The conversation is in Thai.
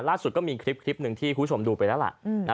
ล่าสุดก็มีคลิปหนึ่งที่คุณผู้ชมดูไปแล้วล่ะ